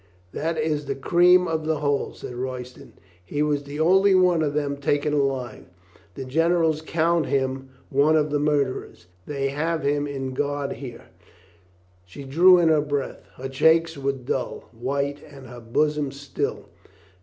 "That is the cream of the whole," said Royston. "He was the only one of them taken alive. The gen erals count him one of the murderers. They have him in guard here." She drew in her breath. Her cheeks were dull white and her bosom still.